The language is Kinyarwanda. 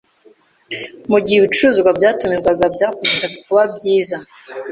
mu gihe ibicuruzwa byatumizwaga byakomeje kuba byiza.